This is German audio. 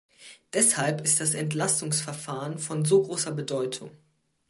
Deshalb ist das Entlastungsverfahren von so großer Bedeutung.